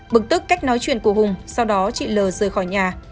bực tức cách nói chuyện của hùng sau đó chị l t t l rời khỏi nhà